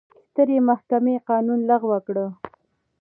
سترې محکمې قانون لغوه کړ.